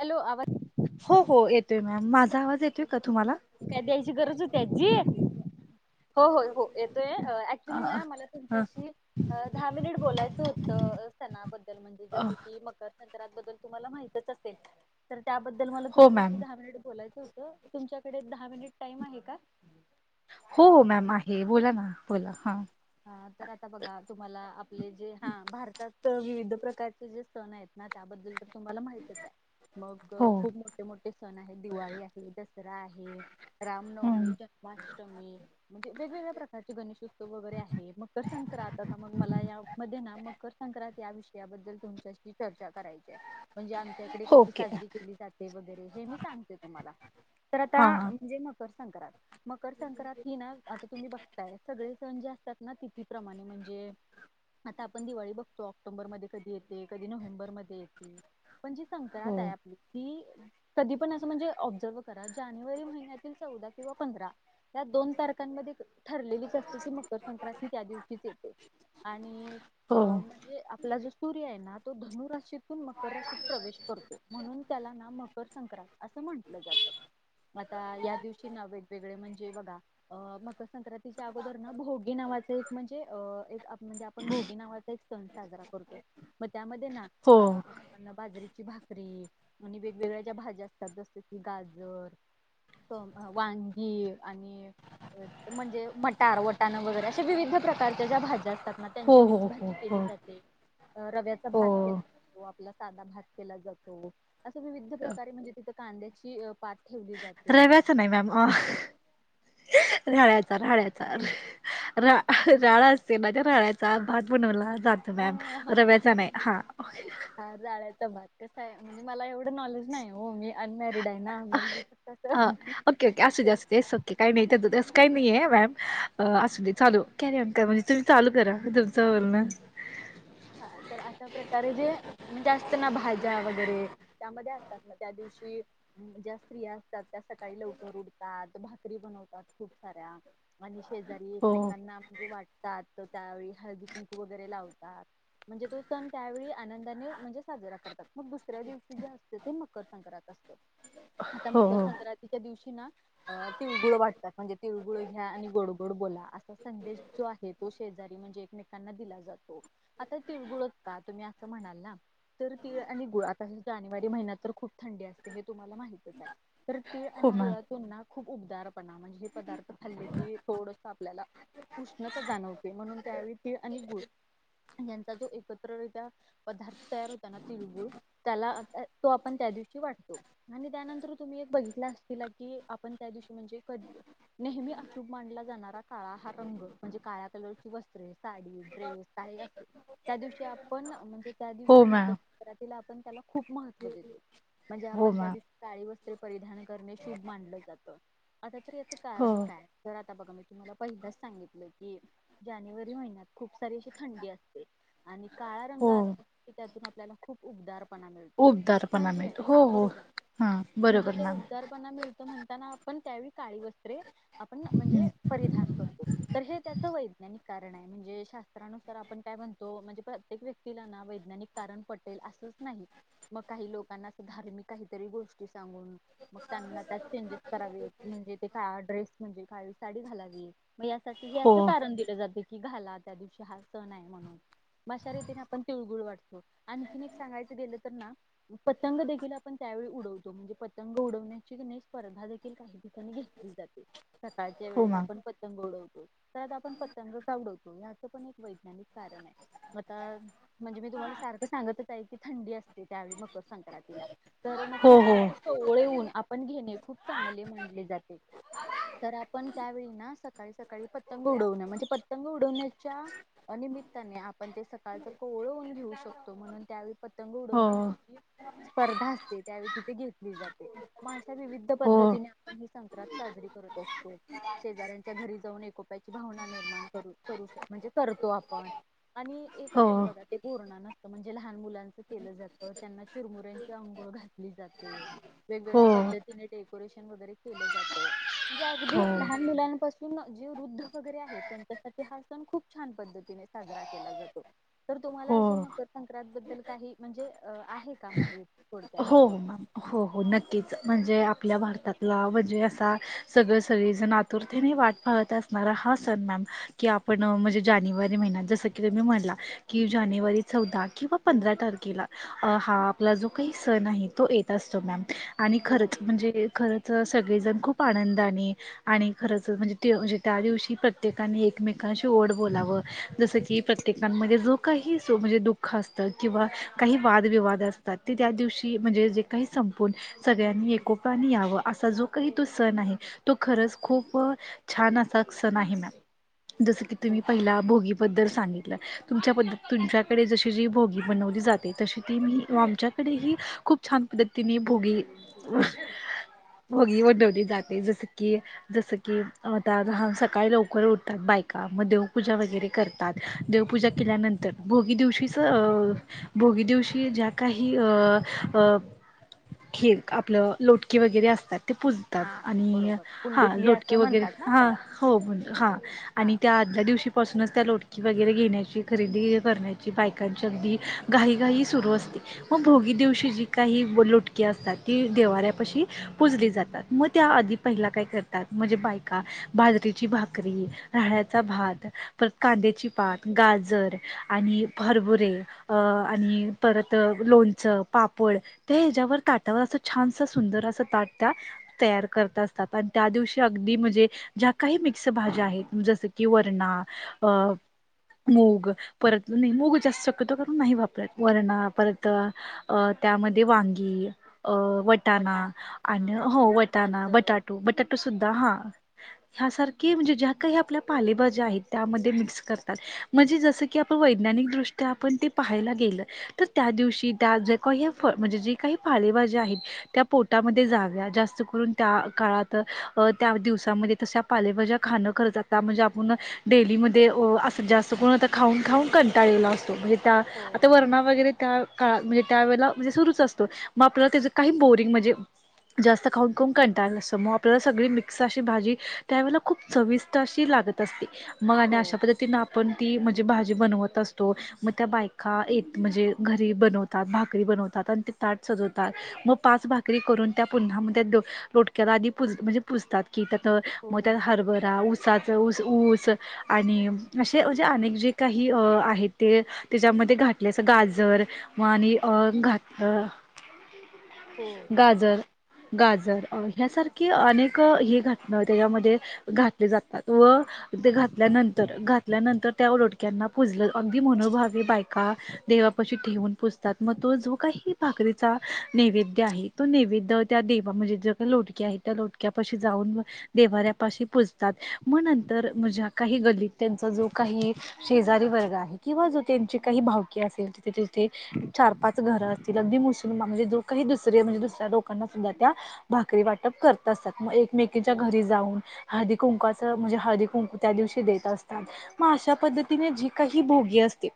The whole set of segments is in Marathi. हॅलो आवाज हो हो,,, येतोय मॅम,, माझा आवाज येतोय.. का तुम्हाला? काय द्यायची गरज होती आज्जी ऽऽ हो हो हो येतोय,,, अ ऍक्च्युली ना,, मला अ तुमच्याशी दहा मिनिट बोलायचं होतं. अऽऽअऽ सणाबद्दल म्हणजे अ जस की मकरऽऽ सणांबद्दल माहितीच असेल,, तर त्याबद्दल मला हो तुमच्याशी मॅम दहा मिनिट बोयचं होत, तुमच्याऽऽ कडे दहा मिनिट टाईम आहे का.. हो हो, मॅम आहे,, बोला ना, बोला, हा हा,, तर आता बघा तुम्हाला आपले जे,, हा भारतात विविध प्रकारचे जे सण आहेत.. त्याबद्दल तर तुम्हाला माहितच आहे.. हो मगंऽऽ खूप मोठे, मोठे सण आहे.. दिवाळी आहे, दसरा आहे, रामनवमी हं जन्माष्टमी, म्हणजे वेगवेगळ्या प्रकारचे गणेशोत्सव वगैरे आहे.. मकर संक्रत आता मग, मला या मध्ये ना मकर संक्रां त्या विषयाबद्दल तुमच्याशी चर्चा करायचीय.. म्हणजे आमच्याकडे कशी ओके साजरी केली जाते वगैरे हे मी सांगते तुम्हाला.. तर आता हां हां म्हणजे मकरऽऽ मकर संक्रांत हि ना,,, आता तुम्ही बघताय सगळे सण जे असतात. ना तिथीप्रमाणे म्हणजे आता आपण दिवाळी बघतो,,, ऑक्टोबर मध्ये कधी येते, कधी नोव्हेंबरमध्ये येते. पण जी हो संक्रांत आहे आपली ती कधी पण अस म्हणजे,,, ऑब्झर्व करा जानेवारी महिन्यातील चौदा किंवा पंधर या दोन तारखांमध्ये ठरलेलीच असते की मकर संक्रांती त्या दिवशीच येते. आणि हो अऽऽम्हणजे आपला जो सूर्यय त धनुराशीतून मकर राशीत प्रवेश करतो म्हणून त्याला ना मऽऽ कर संंक्रांत असं म्हटलं जातं.. आता ऽऽया दिवशी ना वेगवेगळे म्हणजे बघा,, अं मकर संक्रांतीच्या अगोदर ना भोगऽऽ नावाचा एक म्हणजेे अंऽऽ एक आपण भोगी नावाचा एक सण साजरा करतो.. त्यामध्ये ना हो आपण बाजरीऽऽ ची भाकरी आणि वेगवेगळ्या ज्या भाज्या असतात जस की गाजर,, अं ऽऽवांगी आणि म्हणजे मटार वटाणं वगैरे. अशे विविध प्रकारच्या ज्या भाज्या असतात.. त्या. मग हो त्यांची मिक्स हो भाजी हो हो केली जाते, अऽऽरव्याचा हो भात केला जातो आपला.. साधा भात केला जातो,, अस विविध प्रकारे म्हणजे तिथ कांद्याची अ ऽऽपात रव्याचा नाही मॅम,, अ रहाळ्याचा हळ्याचा रा राळा असते माजे राळ्याचा भात बनवला. जातो हा मॅम,, रव्याचा नाही,, हा. कस आहे, म्हणजे मला एवढं नॉलेज नाही हो,, मी अनमॅरिड आहे,, ना मग... मी हा,, कसं ओके ओके असूदे असूदे ईटस ओके,, तसं काही नाही, मॅम.. अ ऽअस दे चालू,, कॅरीआॉन करा म्हणजे तुम्ही चालू करा तुमचं बोलणं.. हा तर अशा प्रकारे जे,,, म्हणजे असत ना भाज्या वगैरे,,, त्यामध्ये असतात ना त्या दिवशी.. कि ज्या स्त्रिया असतात त्या सकाळी लवकर उटतात,, भाकरी बनवतात खूप साऱ्या.. आणि शेजारी हो एकमेकांना म्हणजे वाटतात,,, त्यावेळी हळदी कुंकू वगैरे लावतात.. म्हणजे तो सण त्यावेळी आनंदाने म्हणजे साजरा करतात मग दुसऱ्या दिवशी जे असते ते मकर संक्रात असते आता हो मकर हो संक्रांतीच्या दिवशी ना अं तिळगुळ वाटतात म्हणजे तिळगुळ घ्या आणि गोड गोड बोला असा संदेश जो आहे शेजारी म्हणजे एकमेकांना दिला जातो आता तिळगुळ घ्या तुमी असं म्हणाल ना तर तीळ आणि गुळ आता जानेवारी महिन्यात तर खूप थंडी असते हे तुम्हाला माहितच आहे तर तीळ हो आणि मॅम गुळातून ना खूप उबदारपणा म्हणजे हे पदार्थ खाल्ले की थोडंस आपल्याला उष्णता जाणवते म्हणून त्यावेळी तीळ आणि गुळ यांचा जो एकत्रितरित्या पदार्थ तयार होतो ना तिळगुळ त्याला तो आपण त्या दिवशी आणि त्यानंतर तुम्ही एक बघितला अशीला की आपण त्या दिवशी म्हणजे नेहमी अशुभ मानला जाणारा काळा हा रंग म्हणजे काळ्या कलरची वस्त्रे साडी ड्रेस काही असे त्या दिवशी आपण म्हणजे त्या हो दिवशी मकर मॅम संक्रा तिला आपण त्याला खूप महत्त्व देतो म्हणजे हो आपण मॅम त्यादिवशी काळी वस्त्रे परिधान करणे शुभ मानलं जात आता तर याच हो कारण काय तर आता बघा मी तुम्हाला पहिलाच सांगितलंय की जानेवारी महिन्यात खूप सारी अशी थंडी असते आणि काळा रंग हो असा आहे की त्यातून आपल्याला खूप उबदार पणा मिळतो उबदारपणा म्हणजे मिळतो हो हा हो बरोबर हा म्हणजे बरोबर ते मॅम ऊबदार पणा मिळतो म्हणताना आपण त्यावेळी काळी वस्त्रे आपण हम्म म्हणजे परिधान करतो तर हे त्या वैज्ञानिक कारण आहे म्हणजे शास्त्रानुसार आपण काय म्हणतो म्हणजे प्रत्येक व्यक्तीला ना वैज्ञानिक कारण पटेल असच नाही मग काही लोकांना धार्मिक काहीतरी गोष्टी सांगून मग त्यांना त्यात चेंजेस करावेत म्हणजे ते काळा ड्रेस म्हणजे काळी साडी घालावी म यासाठी हे हो असं कारण दिलं जात की घाला त्या दिवशी हा सण आहे म्हणून मग अशा रीतीने आपण तिळगुळ वाटतो आणखीन एक सांगायचं गेलं तर ना पतंग देखील आपण त्या वेळी उडवतो म्हणजे पतंग उडवण्याची किनाही स्पर्धा देखील काही ठिकाणी घेतली जाते सकाळच्या हो वेळेत मॅम आपण पतंग उडवतो तर आता आपण पतंग का उडवतो ह्याचं पण एक वैज्ञानिक कारण आहे म आता म्हणजे मी तुम्हाला सारखं सांगतच आहे की थंडी असते त्यावेळी मक मकर संक्रांतीला तर मग हो हो सकाळचे कोवळे ऊन आपण घेणे खूप चांगले म्हनले जाते तर आपण त्यावेळी ना सकाळी सकाळी पतंग उडवणं म्हणजे पतंग उडवण्याच्या निमित्ताने आपण ते सकाळच कोवळं ऊन घेऊ शकतो म्हणून त्यावेळी पतंग हो उडवण्याची स्पर्धा असते त्यावेळी तिथे घेतली जाते मग अशा विविध हो पद्धतीने आपण ही संक्रात साजरी करत असतो शेजाऱ्यांच्या घरी जाऊन एकोप्याची भावना निर्माण कर करू म्हणजे करतो आपण आणि एक हो असतं बघा ते बोरन्हान असतं म्हणजे लहान मुलांच केलं जातं त्यांना चिरमुऱ्यांची अंघो घातली जाते हो वेगवेगळ्या पद्धतीने डेकोरेशन वगैरे केल जातं म्हणजे अगदी हो लहान मुलांपासून जी वृद्ध वगैरे आहेत त्यांच्यासाठी हा सण खूप छान पद्धतीने साजरा केला जातो तर तुम्हाला अजून हो मकर संक्रांत बद्दल काही म्हणजे अं आहे का माहीत हो म हो हो नक्कीच म्हणजे आपल्या भारतातला म्हणजे असा सगळ सगळे जण आतुरतेने वाट पाहत असणारा हा सण मॅम कि आपण म्हणजे जानेवारी महिन्यात जस की तुम्ही म्हणला की जानेवारी चौदा किंवा हो पंधरा तारखेला हा आपला जो काही सण आहे तो येत असतो मॅम आणि हो खरंच म्हणजे खरं च सगळेजण खूप आनंदाने आणि खरंच म्हणजे ते म्हणजे त्या दिवशी प्रत्येकाने एकमेक शी गोड बोलाव जस की प्रत्येकांमध्ये जो काहीे असो दुःख असत किंवा काही वादविवाद असतात ते त्या दिवशी म्हणजे जे काही संपूण सगळ्यांनी एकोपाने यावं असा जो काही हो तो सण आहे तो खरच खूप छान असा सण आहे मॅम जस की हो तुम्ही पहिला भोगी बद्दल सांगितलं तुमच्या पद्धत तुमच्याकडे जशी जी भोगी बनवली जाते तशी ती मी आमच्या कडे ही खूप छान पद्धतीने भोगी वीढवली जाते जस की जस की आता लहान सकाळी लवकर उठतात बा मग देवपूजा वगरे करतात देवपूजा केल्यानंतर भोगी दिवशीच भोगी दिवशी ज्या काही ह हे आपलं लोटके वगैरे असतात ते पुजतात हा आणि बरोबर हां कुंडुकली लोटके असं वगैरे म्हणतात ना हां त्याला हो म्हण हां आणि हा त्या दिवशीपासूनच त्या लोटकी वगैरे घेण्याची खरेदी करण्याची बायकांची अगदी घाईघाई सुरू असते मग भोगी दिवशी जी काही लोटककी असतात ती देवाऱ्यापाशी पुजली जातात मग त्या पहिले काय करतात बायका म्हणजे बाजरीची भाकरी रायाचा भाग कांद्याची पात गाजर आणि हरभुरे आणि परत लोणचं पापड त्या ह्याच्यावर ताटावर असं छान अस सुंदर असं ताट त्या तयार कर त्या दिवशी अग म्हणजे ज्या काही मिक् भाज्या आहेत जस की वरणा अ मूग परत नाही मूग जास्त शक्यतो करून नाही वापरत वरणा परत- आ त्यामध्ये वांगी अ वटाणा पटाण आणि हा हो वटाणा गाजर बटाटो बटाटो सुुद्धा हा हसारखे म्हणजे ज्या काही आपल्या पालेभज्या आहेत त्यामध्ये मिक्स करतात म्हणजे जस की तो वैज्ञानिक दृष्ट्या आपण पाहायला गेलं तर त्या दिवशी त्या जे काही पाले म्हणजे जी काही पालेभाजी आहेत त्या पोटामध्ये जाव्या. जास्त करून त्या त्या काळात त्या मध्ये दिवसात पालेभाज्या खाणं करतात त्या मध्ये आपण डेली मध्ये अस जास्त आता खाऊन खाऊन कंटाळ लेला असतो, म्हणजे त्या हो आता वर्णा वगैरे त्या काळात म्हणजे त्यावेळेला म्हणजे सुरुच असतो मग आपल्याला त्याच काही बोरिंग म्हणजे जास्त खाऊन खून कंटाळा आलेला असतो. अस मग आपल्याला सगळी मिक्स अशी भाजी त्यावेळेला खूप चविष्ट अशी लाग त असते. मग हो अशा पद्धतीन आपण ती म्हणजे भाजी बनवत असतो मग त्या बायका येत म्हणजे घरी जी बनवतात भाकरी बनवतात आणि तेी ताट सजवतात मग पाच भाकरी करून त्या पुन्हामध्ये लोटक्याला आधी म्हणजे पुजतात की त्यात हो मग त्यात हरभरा, ऊसाचे ऊस, आणि असे म्हणजे अनेक जे काही आहेत ते त्याच्यामध्ये घातले अस गाजर म आणि अ घात अ हो गाजर गाजर ह्यासारख कि अनेक हे घटक त्याच्यामध्ये घातले जातात व ते घातल्यानंतर घातल्यानंतर त्या लोटक्यांना पुजलं अगदी मनोभावी बायका देवापशी ठेऊून पुजतात मग तो जो काही ह भाकरीचा नैवेद्य आहे तो नैवेद्य त्या देवा म्हणजे जे काही लोटक्या आहेत. त्या लोटक्यापाशी जाऊन देवाऱ्यापाशी पुजतात मग नंतर काही गल्लीतल्यांचा जो काही शेजारी वर्ग आहे किंवा जो त्यांची काही भावकी असेल तिथे चार पाच घरं असतील अगदी मुस्लिम म्हणजे ज काही दुसरे म्हणजे हो दुसऱ्या लोकांना सुद्धा त्या भाकरी वाटप करत असतात मग एकमेकीच्या हो घरी जाऊन हळदी कुंकू कुंकाच म्हणजे हळदी कुंकू त्या दिवशी देत असतात मग अशा पद्धतीने जी काही भोगी असते.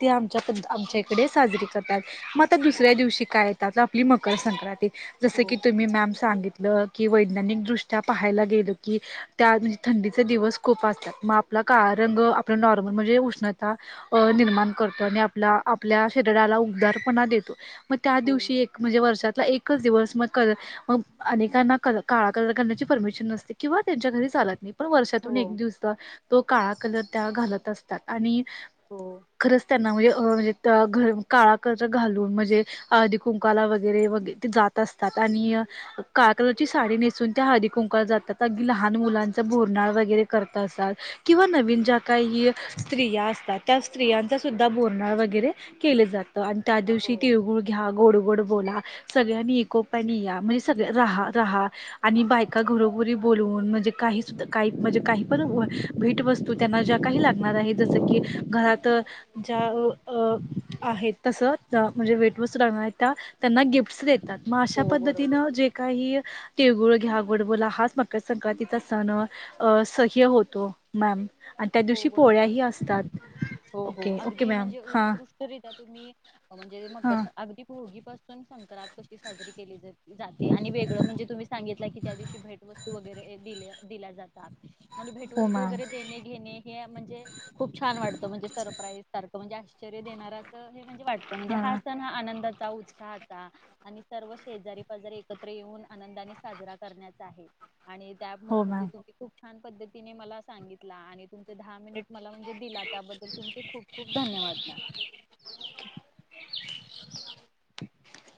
ते आमच्या आमच्या डे साजरी करतात. मग आता दुसऱ्या दिवशी काय येतात आपली मकर संक्रांती जस की हो तुम्ही मॅम सांगित तल की वैज्ञानिक दृष्ट्या पाहायला गेल की त्या म्हण थंडी दिवस खूप असतात. काळा रंग आपल्या नॉर्मल म्हणजे उष्णता. अ हो निर्माण करतो आणि आपला आपल्या शरीराला उगदारपणा देतो. मग त्या हो दिवशी एक म्हणजे वर्षात एकच दिवस मग कलर मग अनेकांना काळा कलर करण्याची परमिशन नसते किंवा त्यांच्या घरी चालत नाही. पण वर्षातून हो एक दिवस तो काळा कलर त्या घालत असतात आणि हो खरंच त्यांना म्हणजे अ म्हणजे घर काळा कर घालून म्हणजे हळदी कुंक वाला वगैरे वगै ते जात असतात आणि काळ कलर ची साडी नेसून त्या हळदी कुंकू वाला जातात, अगदी लहान मुलांचे बोरनाने वगैरे करतात. किंवा नवीन ज्या काही स्त्रिया असतात त्या स्त्रियांचा सुद्धा बोरनान वगैरे केलं जातं आणि त्या दिवशी हो तिळगुळ घ्या गोड गोड बोला, सगळ्यांनी एकोप्याने या म्हणे रहा रहा आणि बायका घरोघरी बोलून म्हणजे काही सुद्ध काही म्हणजे काही पण भेट वस्तू त्यांना ज्या काही लागणार आहे जसं की घरात ज्या अं आहेत तस म्हणजे भेट वस्तु राहणार आहे त्या त्यांना गिफ्टस देत मग अशा हो बरोबर पद्धतीनं जे काही हं तीळगुळ घ्या गोड बोला हाच मकर संक्रांतीचा सण अ सह्य होतो मॅम. आणि त्या हो दिवशी पोळ्या बरोबर ही असतात हो हो ओके, ओके अगदी मॅम म्हणजे हा. उत्कृष्टरित्या तुम्ही म्हणजे मकर अगदी भोगी पासून संक्रांत कशी साजरी केली जाते आणि वेगळं म्हणजे तुम्ही सांगितल्या की त्या दिवशी भेट वस्तू वगैरे दिल्या दिला जातात मग हो भेटवस्तू मॅम वगैरे देणे घेणे हे म्हणजे खूप छान वाटतं म्हणजे सरप्राईज सारखं म्हणजे आश्चर्य देणाराच म्हणजे वाटतं म्हणजे हा हां सण हा आनंदात उत्साहाचा आणि सर्व शेजारी पाजारी एकत्र येऊन आनंदाने साजरा करण्याचा आहे. आणि त्या हो मॅम म्हणजे तुम्ही खूप छान पद्धतीने मला सांगितला आणि तुमचे दहा मिनिट मला म्हणजे दिला त्याबद्दल तुमचे खूप खूप धन्यवाद ना. [unintelligible]